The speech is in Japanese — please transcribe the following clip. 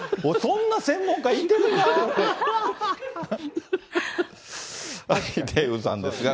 そんな専門家いてるか？